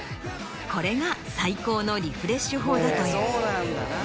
これが最高のリフレッシュ法だという。